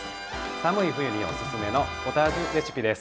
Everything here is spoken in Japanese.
寒い冬におすすめのポタージュレシピです。